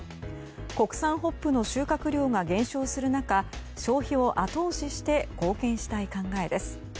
国産ホップの収穫量が減少する中消費を後押しして貢献したい考えです。